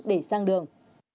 để sang đường